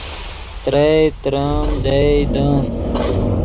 ترئے، تریم، دئے، دیم،